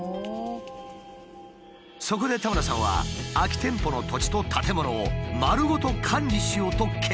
そこで田村さんは空き店舗の土地と建物を丸ごと管理しようと決意！